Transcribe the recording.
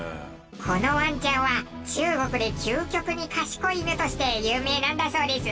このワンちゃんは中国で究極に賢い犬として有名なんだそうです。